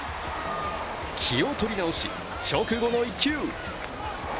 気を取り直し、直後の一球。